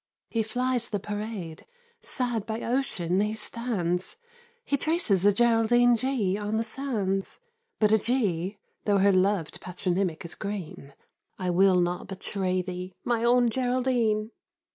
He flies the parade, sad by ocean he stands, He traces a "Geraldine G" on the sands. But a G, tho' her lov'd patronymic is Green, "I will not betray thee, my own Geraldine."